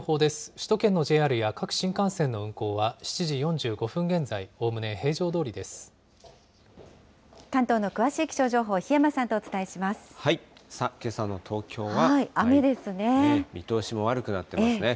首都圏のＪＲや各新幹線の運行は７時４５分現在、おおむね平常ど関東の詳しい気象情報、檜山けさの東京は。